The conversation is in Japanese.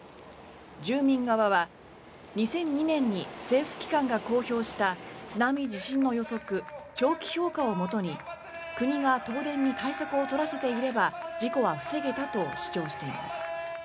住民側は２００２年に政府機関が公表した津波・地震の予測長期評価をもとに国が東電に対策を取らせていれば事故は防げたと主張しています。